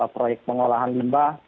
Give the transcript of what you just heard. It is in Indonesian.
proyek pengolahan limbah